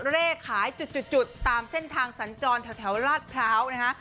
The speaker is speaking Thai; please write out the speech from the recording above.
เลขขายจุดตามเส้นทางสัญจรแถวลาดพร้าวนะฮะ